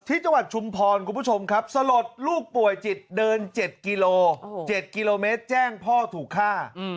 จังหวัดชุมพรคุณผู้ชมครับสลดลูกป่วยจิตเดิน๗กิโล๗กิโลเมตรแจ้งพ่อถูกฆ่า